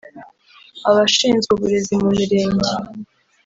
abashinzwe uburezi mu mirenge